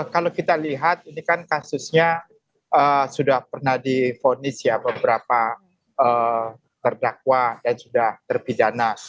kalau kita lihat ini kan kasusnya sudah pernah difonis ya beberapa terdakwa dan sudah terpidana